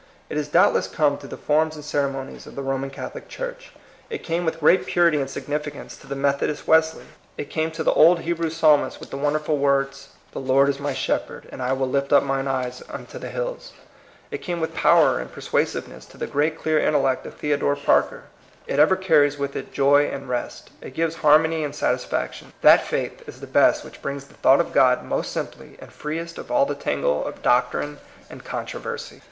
It has doubtless come through the forms and ceremonies of the Roman Catholic Church. It came with great purity and significance to the Metho dist Wesley ; it came to the old Hebrew Psalmists with the wonderful words, ^' The Lord is my shepherd," and ^^I will lift up mine eyes unto the hills. It came with power and persuasiveness to the great clear intellect of Theodore Parker. It ever car ries with it joy and rest. It gives har mony and satisfaction. That faith is the best which brings the thought of God most simply, and freest of all the tangle of doc trine and controversy.